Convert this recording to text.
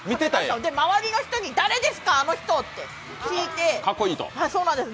周りの人に、誰ですか、あの人？と聞いて。